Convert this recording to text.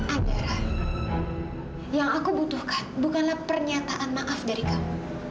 adalah yang aku butuhkan bukanlah pernyataan maaf dari kamu